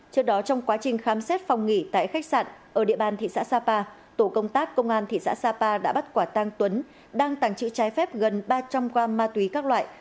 trước đó trong quá trình khám xét phòng nghỉ tại khách sạn ở địa bàn tp hcm tổ công tác công an tp hcm đã bắt quả tăng tuấn đang tàng trự trái phép gần ba trăm linh gram ma túy các loại